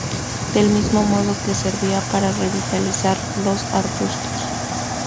Del mismo modo que servía para revitalizar los arbustos.